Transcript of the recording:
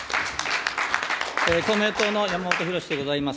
公明党の山本博司でございます。